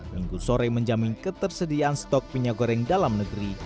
minggu sore menjamin ketersediaan stok minyak goreng dalam negeri